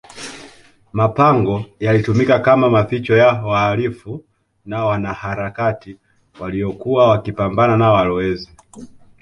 mapango yalitumika kama maficho ya wahalifu na wanaharakati waliyokuwa wakipambana na walowezi